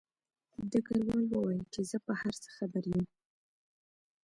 ډګروال وویل چې زه په هر څه خبر یم